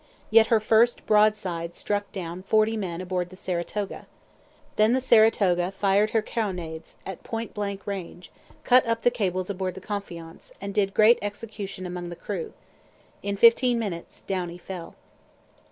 Yet her first broadside struck down forty men aboard the Saratoga. Then the Saratoga fired her carronades, at point blank range, cut up the cables aboard the Confiance, and did great execution among the crew. In fifteen minutes Downie fell.